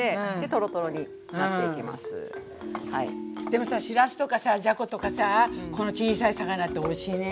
でもさしらすとかさじゃことかさこの小さい魚っておいしいね。